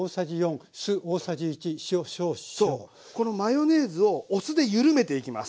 このマヨネーズをお酢でゆるめていきます。